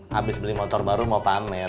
habis beli motor baru mau panen